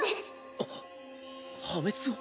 あっ破滅を？